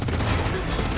あっ！